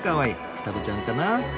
双子ちゃんかな。